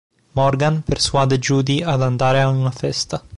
Morgan persuade Judy ad andare ad una festa.